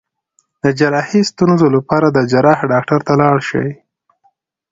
د جراحي ستونزو لپاره د جراح ډاکټر ته لاړ شئ